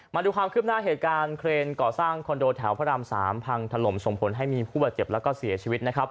มาดูความคืบหน้าเหตุการณ์เครนก่อสร้างคอนโดแถวพระราม๓พังถล่มส่งผลให้มีผู้บาดเจ็บแล้วก็เสียชีวิตนะครับ